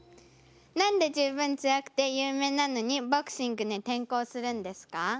何で十分強くて有名なのにボクシングに転向するんですか？